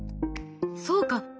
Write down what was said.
そうか！